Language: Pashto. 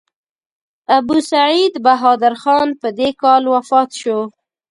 ابوسعید بهادر خان په دې کال وفات شو.